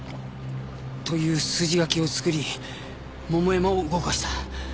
という筋書きを作り桃山を動かした。